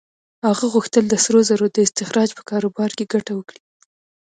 هغه غوښتل د سرو زرو د استخراج په کاروبار کې ګټه وکړي.